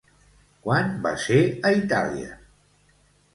Quan va ser a Itàlia?